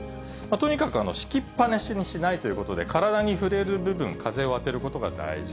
とにかく敷きっ放しにしないということで、体に触れる部分、風を当てることが大事。